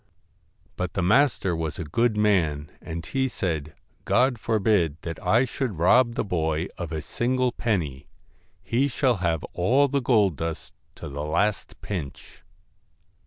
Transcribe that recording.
But the master was a good man, and he said :' God forbid that I should rob the boy of a single penny ; he shall have all the gold dust to the last pinch.'